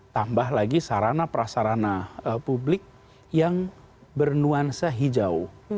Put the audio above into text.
tambah lagi sarana prasarana publik yang bernuansa hijau